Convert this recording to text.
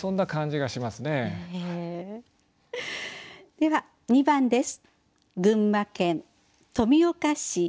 では２番です。